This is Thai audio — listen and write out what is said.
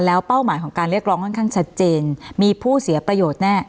แล้วเป้าหมายของการเรียกร้องค่อนข้างชัดเจนมีผู้เสียประโยชน์แน่